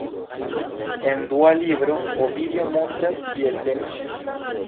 En dua libro, Ovidio montras kiel teni ŝin.